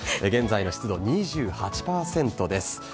現在の湿度２８％です。